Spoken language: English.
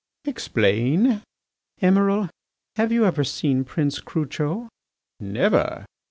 .." "Explain." "Emiral, have you ever seen Prince Crucho?" "Never."